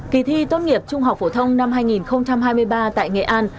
kỳ thi tốt nghiệp trung học phổ thông năm hai nghìn hai mươi ba tại nghệ an